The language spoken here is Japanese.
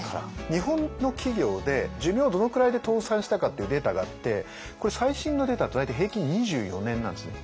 日本の企業で寿命どのくらいで倒産したかっていうデータがあってこれ最新のデータだと大体平均２４年なんですね。